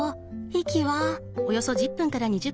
息は？